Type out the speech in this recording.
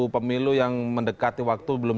pemilu yang mendekati waktu belum